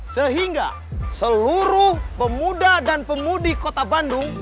sehingga seluruh pemuda dan pemudik kota bandung